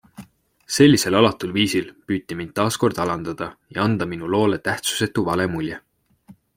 Sellisel alatul viisil püüti mind taas kord alandada ja anda minu loole tähtsusetu vale mulje.